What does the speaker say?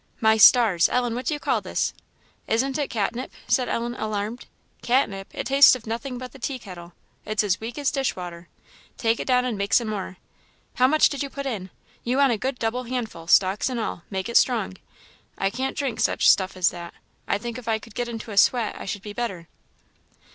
My stars! Ellen, what do you call this?" "Isn't it catnip?" said Ellen, alarmed. "Catnip! it tastes of nothing but the tea kettle. It's as weak as dishwater. Take it down and make some more. How much did you put in? you want a good double handful, stalks and all; make it strong. I can't drink such stuff as that. I think if I could get into a sweat I should be better."